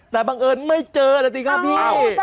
แต่บังเอิญไม่เจอนะสิครับพี่